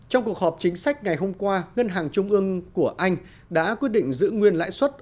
trong cuộc họp chính sách ngày hôm qua ngân hàng trung ương của anh đã quyết định giữ nguyên lãi suất